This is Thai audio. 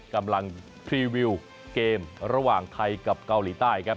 กำลังพรีวิวเกมระหว่างไทยกับเกาหลีใต้ครับ